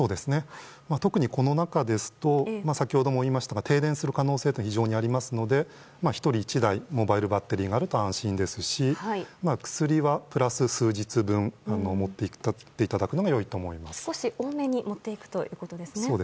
特にこの中ですと先ほども言いましたが停電する可能性が非常にありますので１人１台モバイルバッテリーがあると安心ですし薬はプラス数日分持っていくと少し多めに持っていくということですね。